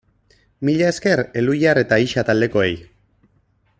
Mila esker Elhuyar eta Ixa taldekoei!